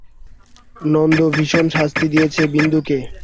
নন্দ ভীষণ শাস্তি দিতেছে বিন্দুকে?